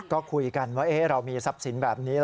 ก็คุยกันว่าเรามีทรัพย์สินแบบนี้